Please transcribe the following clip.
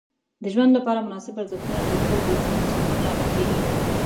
د ژوند لپاره مناسب ارزښتونه ټاکل د ذهن سکون لامل کیږي.